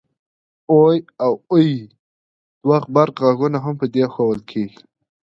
د oy او uy دوه غبرګغږونه هم په ی ښوول کېږي